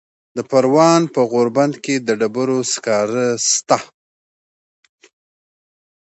د پروان په غوربند کې د ډبرو سکاره شته.